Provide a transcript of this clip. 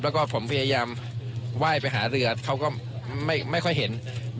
แล้วก็ผมพยายามไหว้ไปหาเรือเขาก็ไม่ค่อยเห็น